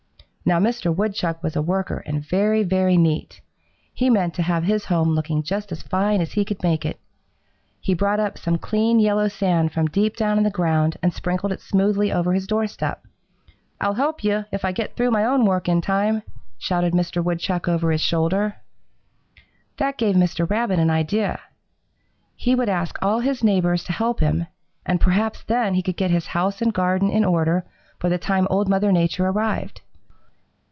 "Now Mr. Woodchuck was a worker and very, very neat. He meant to have his home looking just as fine as he could make it. He brought up some clean yellow sand from deep down in the ground and sprinkled it smoothly over his doorstep. "'I'll help you, if I get through my own work in time,' shouted Mr. Woodchuck over his shoulder. "That gave Mr. Rabbit an idea. He would ask all his neighbors to help him, and perhaps then he could get his house and garden in order by the time Old Mother Nature arrived.